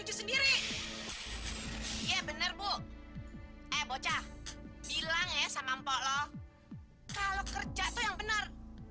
jangan bilang ya sama mpok lo kalau kerja itu yang benar